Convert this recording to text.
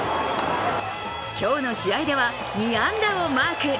今日の試合では２安打をマーク。